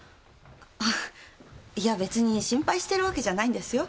あいや別に心配してるわけじゃないんですよ。